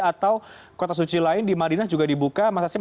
atau kota suci lain di madinah juga dibuka mas hashim